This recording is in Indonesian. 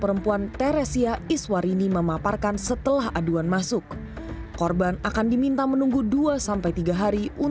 nanti ada pertanyaan nanti mbak jawab dulu